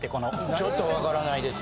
ちょっとわからないです。